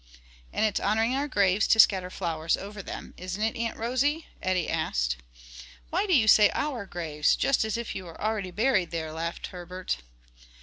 "And it's honoring our graves to scatter flowers over them: isn't it, Aunt Rosie?" Eddie asked. "Why do you say our graves? just as if you were already buried there," laughed Herbert.